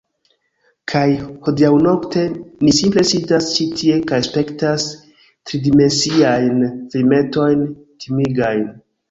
Kaj hodiaŭnokte ni simple sidas ĉi tie kaj spektas tridimensiajn filmetojn timigajn